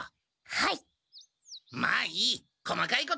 はい！